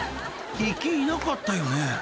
行きいなかったよね？］